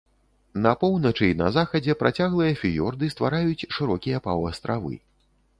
На поўначы і на захадзе працяглыя фіёрды ствараюць шырокія паўастравы.